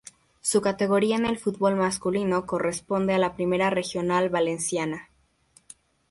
Su categoría en el fútbol masculino corresponde a la Primera Regional Valenciana.